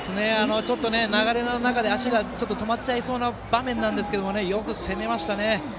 流れの中で足が止まっちゃいそうな場面ですがよく攻めましたね。